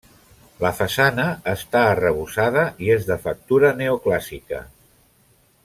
La façana està arrebossada i és de factura neoclàssica.